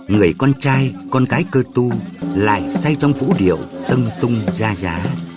người con trai con gái cơ tu lại say trong vũ điệu tân tung ra giá